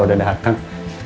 terus siapa yang datang